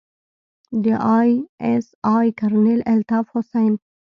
د آى اس آى کرنيل الطاف حسين.